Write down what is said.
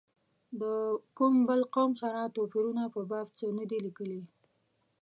د کوم بل قوم سره توپیرونو په باب څه نه دي لیکلي.